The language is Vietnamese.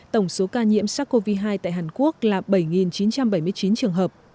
tổng số ca nhiễm sars cov hai tại hàn quốc là bảy chín trăm bảy mươi chín trường hợp